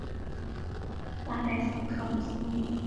拉代斯特鲁斯。